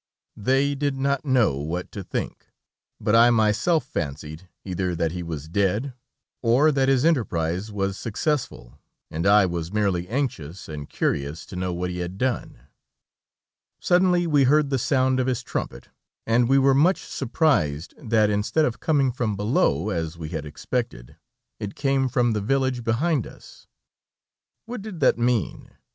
They did not know what to think, but I myself fancied, either that he was dead, or that his enterprise was successful, and I was merely anxious and curious to know what he had done. Suddenly we heard the sound of his trumpet, and we were much surprised that instead of coming from below, as we had expected, it came from the village behind us. What did that mean?